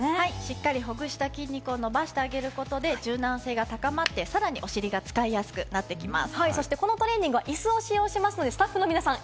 しっかりほぐした筋肉を伸ばしてあげることで柔軟性が高まって、さらにお尻が使いやすくなってきます。